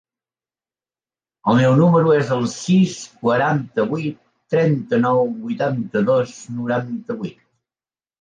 El meu número es el sis, quaranta-vuit, trenta-nou, vuitanta-dos, noranta-vuit.